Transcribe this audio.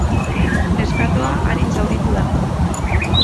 Neskatoa arin zauritu da.